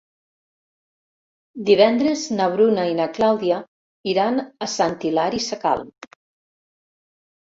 Divendres na Bruna i na Clàudia iran a Sant Hilari Sacalm.